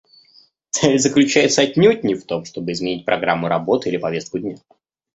Цель заключается отнюдь не в том, чтобы изменить программу работы или повестку дня.